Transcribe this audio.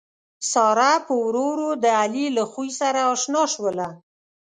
ساره پّ ورو ورو د علي له خوي سره اشنا شوله